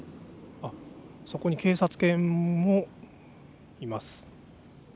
そこに警察犬もいます。